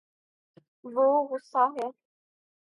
وہ گصاہ ہے